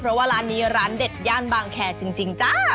เพราะว่าร้านนี้ร้านเด็ดย่านบางแคร์จริงจ้า